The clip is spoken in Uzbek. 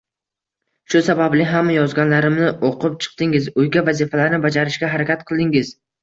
Shu sababli ham yozganlarimni o’qib chiqdingiz, uyga vazifalarni bajarishga harakat qildingiz